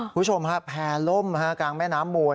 คุณผู้ชมฮะแพร่ล่มกลางแม่น้ำมูล